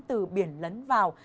từ biển lấn vào